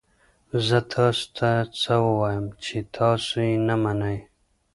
زه تاسو ته څه ووایم چې تاسو یې نه منئ؟